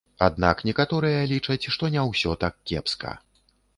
Аднак некаторыя лічаць, што не ўсё так кепска.